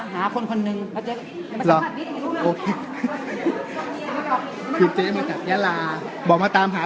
หาคนคนหนึ่งเพราะเจ๊มาจากยาลาบอกมาตามหา